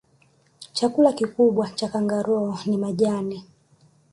chakula kikubwa cha kangaroo ni majani